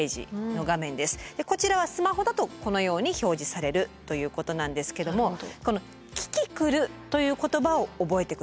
こちらはスマホだとこのように表示されるということなんですけどもこの「キキクル」という言葉を覚えて下さい。